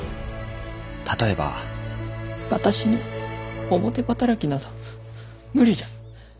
例えば私には表働きなど無理じゃ！